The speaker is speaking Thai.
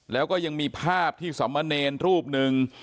แล้วก็ยังมีภาพที่สมเนรรูปหนึ่ง